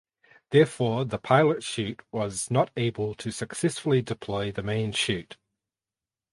Therefore the pilot chute was not able to successfully deploy the main chute.